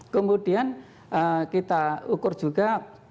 kemudian kita ukur juga